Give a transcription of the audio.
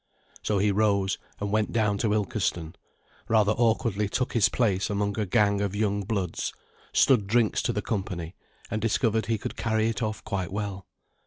So he rose and went down to Ilkeston, rather awkwardly took his place among a gang of young bloods, stood drinks to the company, and discovered he could carry it off quite well.